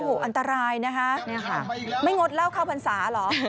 โอ้โหอันตรายนะคะเนี่ยค่ะไม่งดเหล้าเข้าพรรษาเหรอ